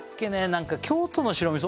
何か京都の白みそ？